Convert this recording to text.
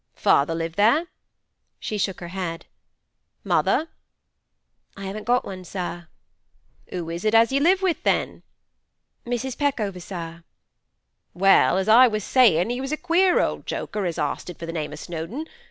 'Father live there?' She shook her head. 'Mother?' 'I haven't got one, sir.' 'Who is it as you live with, then?' 'Mrs. Peckover, sir.' 'Well, as I was sayin', he was a queer old joker as arsted for the name of Snowdon.